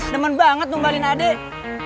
demen banget nunggalin adik